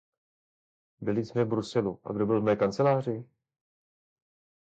Byli jsme v Bruselu a kdo byl v mé kanceláři?